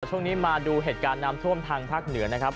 ช่วงนี้มาดูเหตุการณ์น้ำท่วมทางภาคเหนือนะครับ